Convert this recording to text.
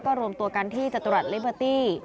รวมตัวกันที่จตุรัสลิเบอร์ตี้